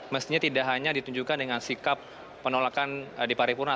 mestinya tidak hanya ditunjukkan dengan sikap penolakan di paripurna